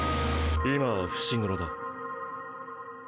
今は伏黒だ。